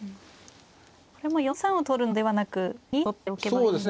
これも４三を取るのではなく２一を取っておけばいいんですね。